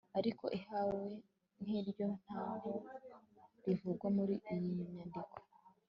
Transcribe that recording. ariko ihame nk'iryo ntaho rivugwa muri iyi nyandiko